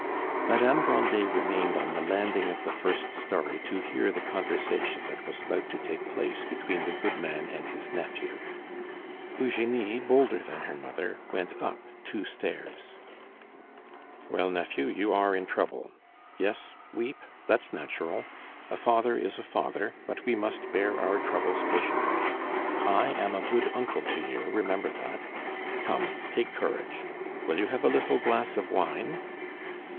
Madame Grandet remained on the landing of the first storey to hear the conversation that was about to take place between the goodman and his nephew. Eugenie, bolder than her mother, went up two stairs. "Well, nephew, you are in trouble. Yes, weep, that's natural. A father is a father; but we must bear our troubles patiently. I am a good uncle to you, remember that. Come, take courage! Will you have a little glass of wine?"